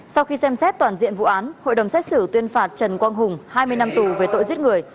sau khi xem xét toàn diện vụ án hội đồng xét xử tuyên phạt trần quang hùng hai mươi năm tù về tội giết người